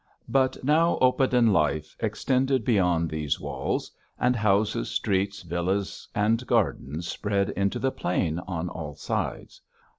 But now oppidan life extended beyond these walls; and houses, streets, villas and gardens spread into the plain on all sides.